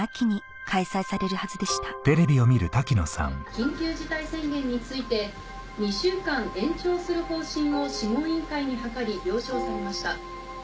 緊急事態宣言について２週間延長する方針を諮問委員会に諮り了承されました。